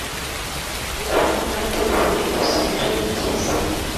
ukuntu mwateguye iri somero nibyiza